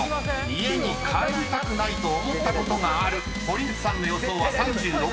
［家に帰りたくないと思ったことがある堀内さんの予想は３６％］